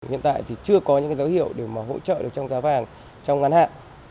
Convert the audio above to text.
hiện tại thì chưa có những cái dấu hiệu để mà hỗ trợ được trong giá vàng trong ngắn hạn